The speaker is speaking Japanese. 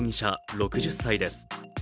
６０歳です。